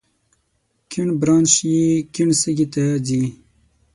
کیڼ برانش یې کیڼ سږي ته ځي.